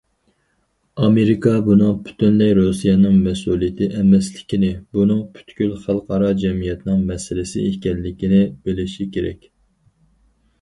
ئامېرىكا بۇنىڭ پۈتۈنلەي رۇسىيەنىڭ مەسئۇلىيىتى ئەمەسلىكىنى، بۇنىڭ پۈتكۈل خەلقئارا جەمئىيەتنىڭ مەسىلىسى ئىكەنلىكىنى بىلىشى كېرەك.